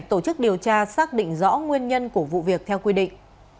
tổ chức điều tra xác định rõ nguyên nhân của vụ việc theo quy định